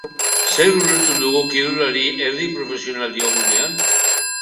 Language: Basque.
Zer ulertzen dugu kirolari erdi profesional diogunean?